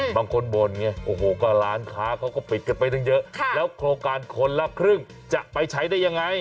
บางคนบ่นไงโอ้โหก็ร้านค้าเขาก็ปิดกันไปตั้งเยอะแล้วโครงการคนละครึ่งจะไปใช้ได้ยังไง